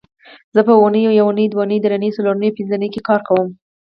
زه په اونۍ یونۍ دونۍ درېنۍ څلورنۍ او پبنځنۍ کې کار کوم